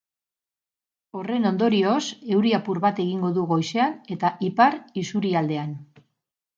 Horren ondorioz, euri apur bat egingo du goizean eta ipar isurialdean.